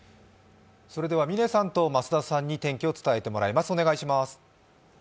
嶺さんと増田さんに天気を伝えてもらいます。